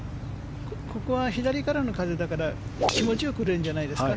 ここは左からの風だから気持ちよく振れるんじゃないですか。